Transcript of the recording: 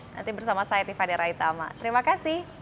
nanti bersama saya tiffanera itama terimakasih